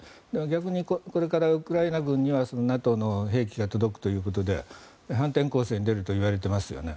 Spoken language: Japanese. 逆にこれからウクライナ軍にはＮＡＴＯの兵器が届くということで反転攻勢に出ると言われていますよね。